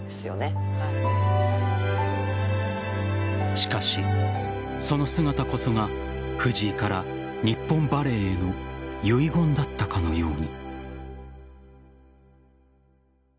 しかし、その姿こそが藤井から日本バレーへの遺言だったかのように。